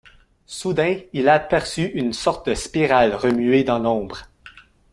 Soudain, il aperçut une sorte de spirale remuer dans l’ombre.